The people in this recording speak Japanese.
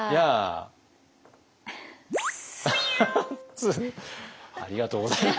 つありがとうございます。